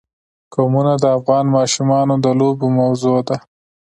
قومونه د افغان ماشومانو د لوبو موضوع ده.